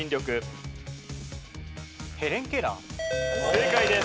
正解です。